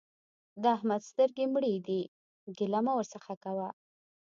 د احمد سترګې مړې دي؛ ګيله مه ورڅخه کوه.